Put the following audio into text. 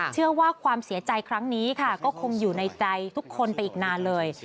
ความเสียใจครั้งนี้ค่ะก็คงอยู่ในใจทุกคนไปอีกนานเลย